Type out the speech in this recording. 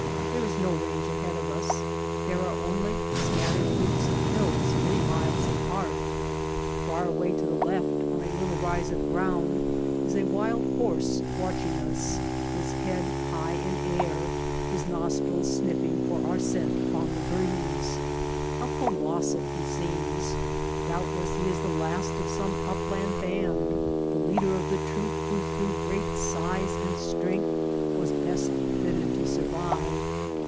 There is no range ahead of us ; there are only scattered groups of hills many miles apart. Far away to the left on a little rise of ground is a wild horse watch ing us, his head high in air, his nostrils sniffing for our scent upon the breeze. How colossal he seems ! Doubtless he is the last of some upland band, the leader of the troop who through great size and strength was best fitted to survive.